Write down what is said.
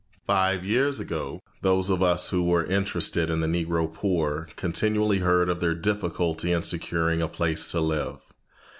Five years ago, those of us who were interested in the Negro poor continually heard of their difficulty in securing a place to live.